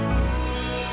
seluruh negara sejarah